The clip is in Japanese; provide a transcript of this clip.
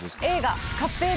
映画。